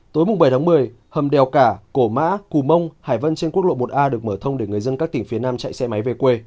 tối bảy tháng một mươi hầm đèo cả cổ mã cù mông hải vân trên quốc lộ một a được mở thông để người dân các tỉnh phía nam chạy xe máy về quê